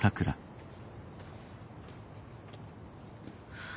はあ。